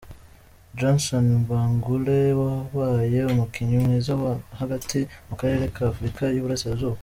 Johnson Bagoole wabaye umukinnyi mwiza wo hagati mu Karere ka Afurika y’Uburasirazuba.